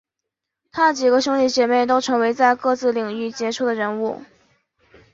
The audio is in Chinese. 他的几个兄弟姐妹都成为在各自领域杰出的人物。